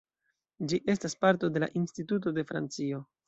Ĝi estas parto de Instituto de Francio.